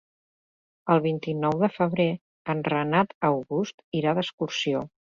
El vint-i-nou de febrer en Renat August irà d'excursió.